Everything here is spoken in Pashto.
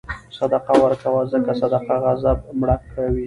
صدقه ورکوه، ځکه صدقه غضب مړه کوي.